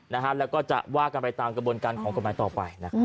แล้วก็จะว่ากันไปตามกระบวนการของกฎหมายต่อไปนะครับ